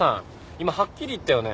今はっきり言ったよね。